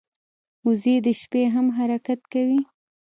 وزې د شپې هم حرکت کوي